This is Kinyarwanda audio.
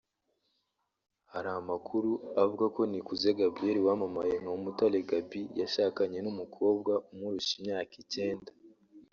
Hari amakuru avuga ko Nikuze Gabriel wamamaye nka Umutare Gaby yashakanye n’umukobwa umurusha imyaka icyenda